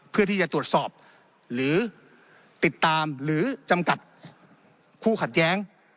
เพื่อที่จะตรวจสอบหรือติดตามหรือจำกัดคู่ขัดแย้ง